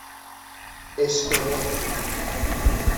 اشکنه